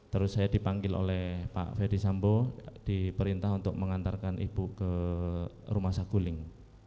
terus saya dipanggil oleh pak ferdis sambo diperintah untuk mengantarkan ibu ke rumah sakuling